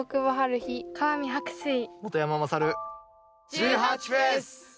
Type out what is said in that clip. １８祭！